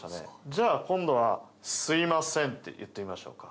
じゃあ今度は「すいません」って言ってみましょうか。